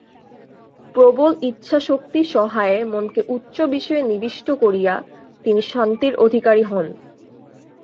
প্রবল ইচ্ছাশক্তি-সহায়ে মনকে উচ্চ বিষয়ে নিবিষ্ট করিয়া তিনি শান্তির অধিকারী হন।